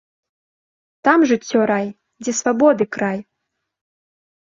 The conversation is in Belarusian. Там жыццё рай, дзе свабоды край!